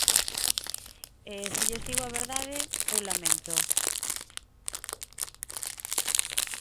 E, se lles digo a verdade, eu laméntoo.